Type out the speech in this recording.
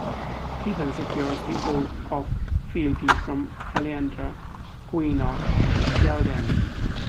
He then secures the oath of fealty from Alliandre, Queen of Ghealdan.